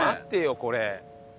これ。